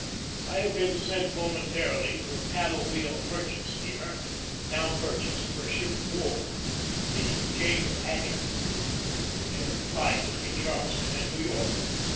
I had been sent momentarily to a paddle wheel merchant steamer, now purchased for a ship of war, the James Adger, which had plied between Charleston and New York.